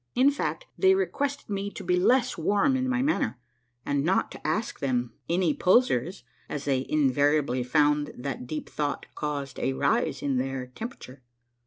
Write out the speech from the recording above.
In fact, they requested me to be less warm in my manner, and not to ask them, any posers, as they invariably found that deej) thought caused a rise in their temperature.